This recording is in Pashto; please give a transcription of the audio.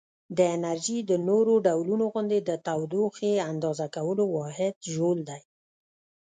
د انرژي د نورو ډولونو غوندې د تودوخې اندازه کولو واحد ژول دی.